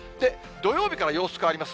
土曜日から様子変わります。